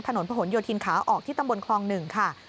ถนนผนโยธินขาออกที่ตำบลคลอง๑ค่ะ